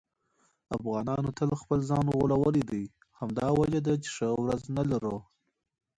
افغانانو تل خپل ځان غولولی دی. همدا وجه ده چې ښه ورځ نه لرو.